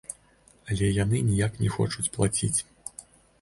Але яны ніяк не хочуць плаціць.